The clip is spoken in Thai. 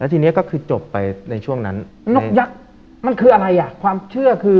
ทีนี้ก็คือจบไปในช่วงนั้นนกยักษ์มันคืออะไรอ่ะความเชื่อคือ